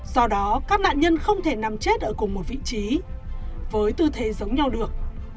do đó các nạn nhân không thể nằm chết ở cùng một vị trí với tư thế giống nhau được